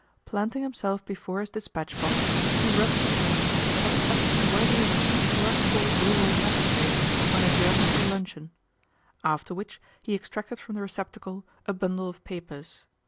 Planting himself before his dispatch box, he rubbed his hands with a satisfaction worthy of an incorruptible rural magistrate when adjourning for luncheon; after which he extracted from the receptacle a bundle of papers.